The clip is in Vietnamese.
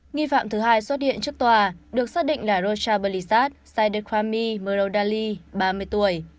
nghi phạm thứ hai xuất hiện trước tòa được xác định là rocha balizat saidekwami mrodali ba mươi tuổi